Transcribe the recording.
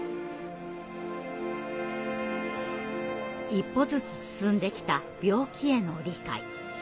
一歩ずつ進んできた病気への理解。